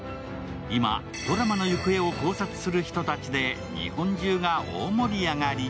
今、ドラマの行方を考察する人たちで日本中が大盛り上がり。